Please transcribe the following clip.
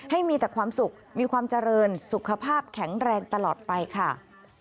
ให้มีแต่ความสุขมีความเจริญสุขภาพแข็งแรงตลอดไปค่ะ